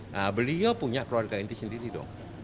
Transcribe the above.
nah beliau punya keluarga inti sendiri dong